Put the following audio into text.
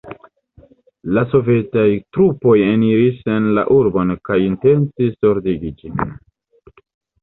La sovetaj trupoj eniris en la urbon kaj intencis ordigi ĝin.